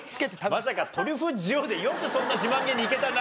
まさかトリュフ塩でよくそんな自慢げにいけたな。